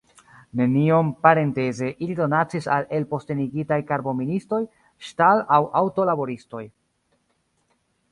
Neniom, parenteze, ili donacis al elpostenigitaj karboministoj, ŝtal- aŭ aŭto-laboristoj.